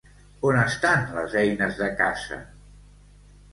On estan les eines de caça?